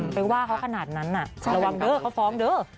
ไปว่าเขาขนาดนั้นระวังเด้อเขาฟ้องเด้อ